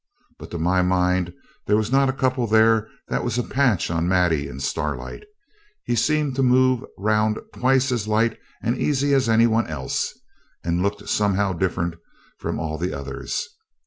But, to my mind, there was not a couple there that was a patch on Maddie and Starlight. He seemed to move round twice as light and easy as any one else; he looked somehow different from all the others.